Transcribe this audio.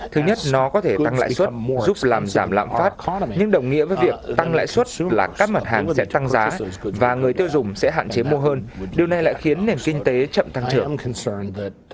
thứ nhất nó có thể tăng lãi suất giúp làm giảm lạm phát nhưng đồng nghĩa với việc tăng lãi suất là các mặt hàng sẽ tăng giá và người tiêu dùng sẽ hạn chế mua hơn điều này lại khiến nền kinh tế chậm tăng trưởng